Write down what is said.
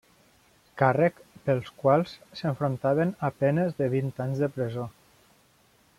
Càrrecs pels quals s'enfrontaven a penes de vint anys de presó.